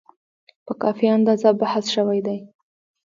په کافي اندازه بحث شوی دی.